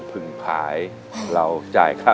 พึ่งขายเราจ่ายค่า